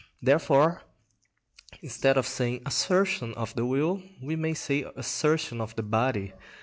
Therefore, instead of saying assertion of the will, we may say assertion of the body.